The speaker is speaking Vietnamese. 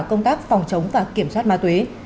công tác phòng chống và kiểm soát ma túy